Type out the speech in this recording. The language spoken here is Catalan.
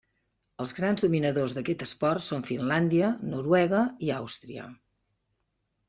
Els grans dominadors d'aquest esport són Finlàndia, Noruega i Àustria.